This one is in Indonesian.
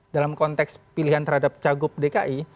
dalam konteks pilihan terhadap cagup dki